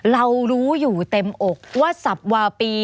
เรารู้อยู่เต็มอกว่าสับวาปี